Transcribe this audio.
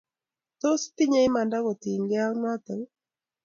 Tos itinnye imanda kotinykei ak notok ii?